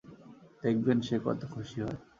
দেখবেন সে কত খুশি হয়।